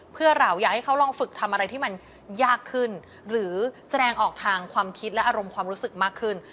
เพื่อเราอยากให้เขาลองฝึกทำอะไรที่มันยากขึ้นหรือแสดงออกทางความคิดและอารมณ์ความรู้สึกมากขึ้น